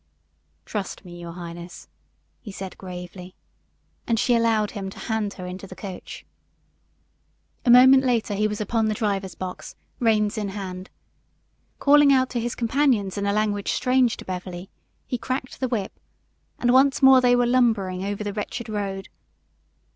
"Trust me, your highness," he said, gravely, and she allowed him to hand her into the coach. A moment later he was upon the driver's box, reins in hand. Calling out to his companions in a language strange to Beverly, he cracked the whip, and once more they were lumbering over the wretched road.